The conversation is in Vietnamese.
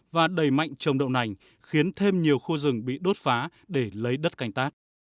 và đẩy mạnh trồng đậu nành khiến thêm nhiều khu rừng bị đốt phá để lấy đất canh tác